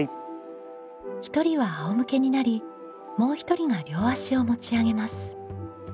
１人は仰向けになりもう一人が両足を持ち上げます。